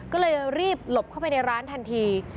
ก็เลยรีบหลบเข้าไปในร้านทันที